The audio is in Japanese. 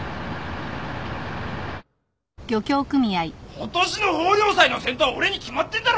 今年の豊漁祭の先頭は俺に決まってんだろうがよ！